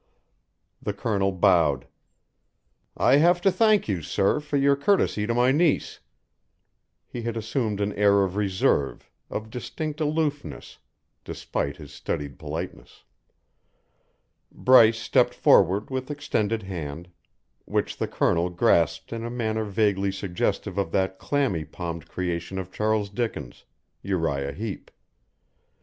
The Colonel bowed. "I have to thank you, sir, for your courtesy to my niece." He had assumed an air of reserve, of distinct aloofness, despite his studied politeness. Bryce stepped forward with extended hand, which the Colonel grasped in a manner vaguely suggestive of that clammy palmed creation of Charles Dickens Uriah Heep.